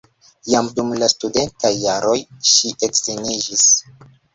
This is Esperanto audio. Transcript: Jam dum la studentaj jaroj ŝi edziniĝis.